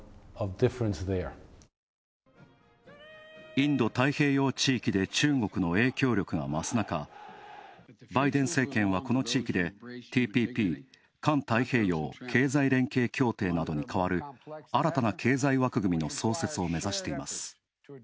インド・太平洋地域で中国の影響力が増す中、バイデン政権はこの地域でＴＰＰ＝環太平洋経済連携協定などにかわる新たな経済枠組みの創設を目指しています。